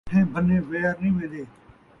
بٹھیں بھنیں ویر نئیں وین٘دے